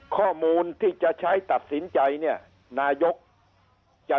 ข้อมูลที่จะใช้ตัดสินใจเนี่ยนายกจะ